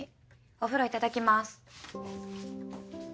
お風呂いただきます。